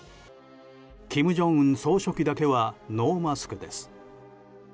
金正恩総書記だけはノーマスクです。